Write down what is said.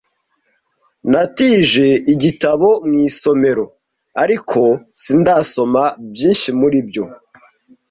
Natije igitabo mu isomero, ariko sindasoma byinshi muri byo.